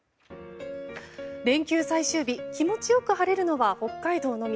連休最終日、気持ちよく晴れるのは北海道のみ。